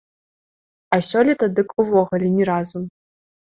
А сёлета дык увогуле ні разу.